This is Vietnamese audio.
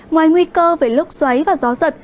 ngoài nguy cơ về lốc xoáy và gió giật